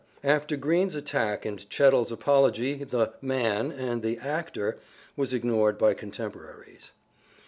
After Greene's attack and Chettle's apology the " man " and the " actor " was ignored by contemporaries.